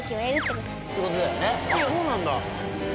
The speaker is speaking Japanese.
そうなんだ。